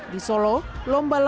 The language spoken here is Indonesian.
di jawa tengah